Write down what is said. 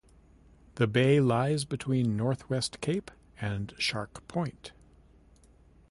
The bay lies between Northwest Cape and Shark Point.